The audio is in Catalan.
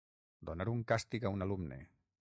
Donar un càstig a un alumne.